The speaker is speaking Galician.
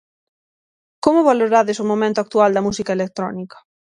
Como valorades o momento actual da música electrónica?